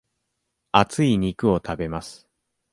厚い肉を食べます。